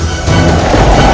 itu udah gila